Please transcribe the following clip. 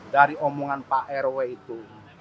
dari omongan pak rw itu